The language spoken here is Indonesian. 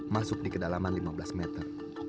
masuk di kedalaman lima belas meter